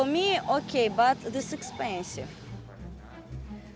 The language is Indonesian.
untuk saya oke tapi ini mahal